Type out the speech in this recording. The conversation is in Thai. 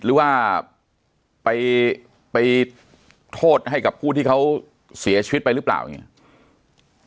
หรือว่าไปโทษให้กับผู้ที่เขาเสียชีวิตไปหรือเปล่าอย่างนี้